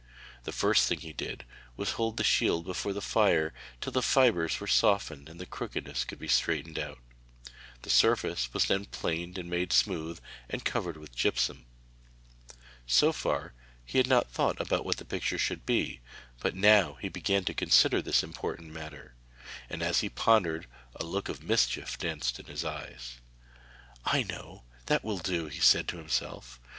The first thing he did was to hold the shield before the fire till the fibres were softened and the crookedness could be straightened out. The surface was then planed and made smooth, and covered with gypsum. So far he had not thought what the picture should be, but now he began to consider this important matter, and as he pondered a look of mischief danced in his eyes. 'I know! That will do!' he said to himself.